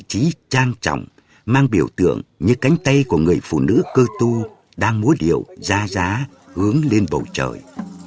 chí trang trọng mang biểu tượng như cánh tay của người phụ nữ cơ tu đang múa điệu ra giá hướng lên bầu trời